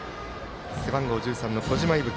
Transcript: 背番号１３の兒島伊吹。